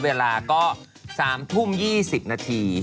เวลาก็๓ทุ่ม๒๐นาที